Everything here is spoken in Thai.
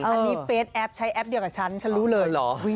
อันนี้เฟสแอปใช้แอปเดียวกับฉันฉันรู้เลยเหรอ